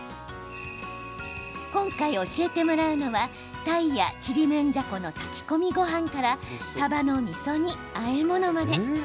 今回、教えてもらうのは鯛や、ちりめんじゃこの炊き込みごはんからさばのみそ煮、あえ物まで。